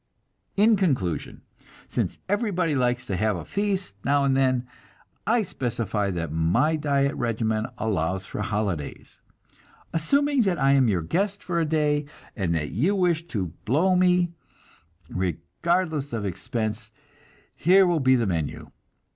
In conclusion, since everybody likes to have a feast now and then, I specify that my diet regimen allows for holidays. Assuming that I am your guest for a day, and that you wish to "blow" me, regardless of expense, here will be the menu.